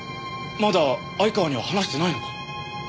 まだ相川には話してないのか？